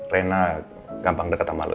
reina gampang deket sama lu ya